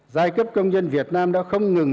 giai cấp công nhân việt nam đã không ngừng